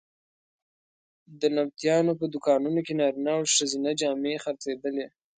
د نبطیانو په دوکانونو کې نارینه او ښځینه جامې خرڅېدلې.